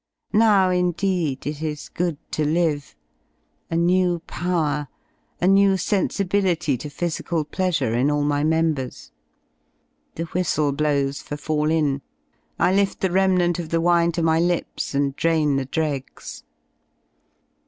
Now, indeed, it is good to live; a new power, a new sensibility to physical pleasure in all my members. The S whi^le blows for "Fall in !" I lift the remnant of the wine to my lips and drain the dregs.